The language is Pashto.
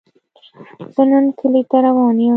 زۀ نن کلي ته روان يم